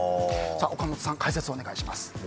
岡本さん、解説をお願いします。